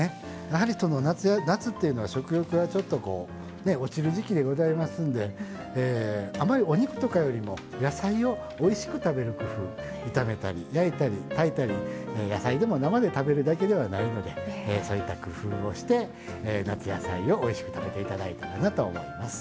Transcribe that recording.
やはりその夏っていうのは食欲がちょっとこう落ちる時期でございますんであまりお肉とかよりも野菜をおいしく食べる工夫炒めたり焼いたり炊いたり野菜でも生で食べるだけではないのでそういった工夫をして夏野菜をおいしく食べて頂いたらなと思います。